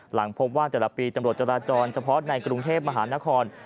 หลังพบว่าแต่ละปีตำรวจจราจรเฉพาะในกรุงเทพมหานคร